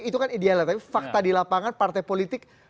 itu kan idealnya tapi fakta di lapangan partai politik